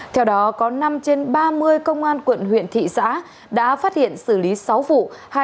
theo đó có năm trên ba mươi công an quận huyện thị xã đã phát hiện xử lý sáu vụ